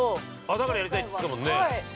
◆だからやりたいって言ってたもんね。